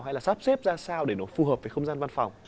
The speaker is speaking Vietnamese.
hay là sắp xếp ra sao để nó phù hợp với không gian văn phòng